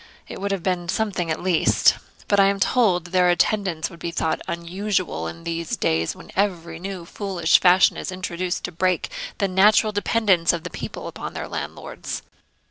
It would have been something, at least; but I am told their attendance would be thought unusual in these days, when every new and foolish fashion is introduced to break the natural dependence of the people upon their landlords.'